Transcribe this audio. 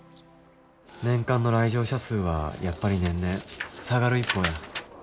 年間の来場者数はやっぱり年々下がる一方や。